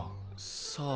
さあ？